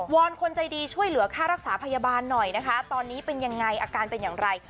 อนคนใจดีช่วยเหลือค่ารักษาพยาบาลหน่อยนะคะตอนนี้เป็นยังไงอาการเป็นอย่างไร